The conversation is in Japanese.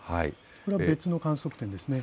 これは別の観測点ですね。